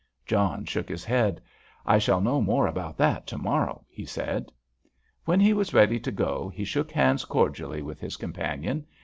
John shook his head. "I shall know more about that to morrow," he said. When he was ready to go he shook hands cordially with his companion.